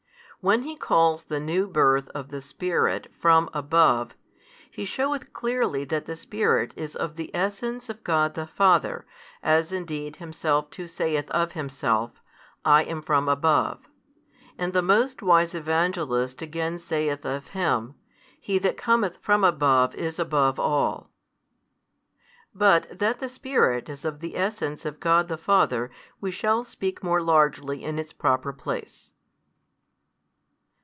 When He calls the new birth of the Spirit from above, He sheweth clearly that the Spirit is of the Essence of God the Father, as indeed Himself too saith of Himself, I am from above. And the most wise Evangelist again saith of Him, He that cometh from above is above all. But that the Spirit is of the Essence of God the Father we shall speak more largely in its proper place.